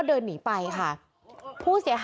โดนฟันเละเลย